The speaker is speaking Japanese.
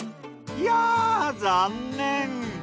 いや残念！